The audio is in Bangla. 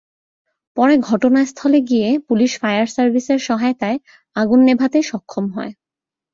পরে ঘটনাস্থলে গিয়ে পুলিশ ফায়ার সার্ভিসের সহায়তায় আগুন নেভাতে সক্ষম হয়।